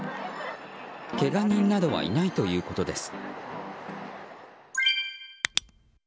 けが人などはいないということです。